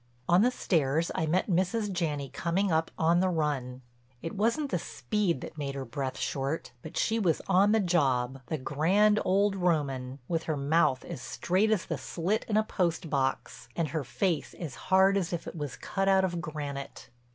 On the stairs I met Mrs. Janney coming up on the run. It wasn't the speed that made her breath short; but she was on the job, the grand old Roman, with her mouth as straight as the slit in a post box and her face as hard as if it was cut out of granite.